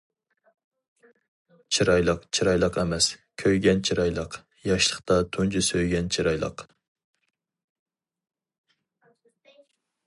چىرايلىق چىرايلىق ئەمەس، كۆيگەن چىرايلىق، ياشلىقتا تۇنجى سۆيگەن چىرايلىق.